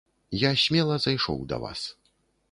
Я смела зайшоў да вас.